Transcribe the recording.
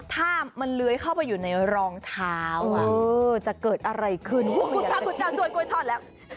ถ้ามันเลื้อยเข้าไปอยู่ในรองเท้าจะเกิดอะไรขึ้นคุณพระคุณเจ้าช่วยกล้วยทอดแล้ว